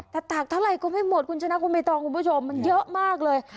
แต่ตากเท่าไหร่ก็ไม่หมดคุณชนะคุณไม่ต้องคุณผู้ชมมันเยอะมากเลย